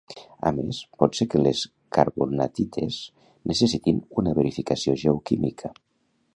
A més, pot ser que les carbonatites necessitin una verificació geoquímica.